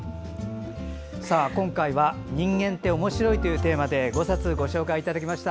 今回は「人間っておもしろい！」というテーマで５冊、ご紹介いただきました。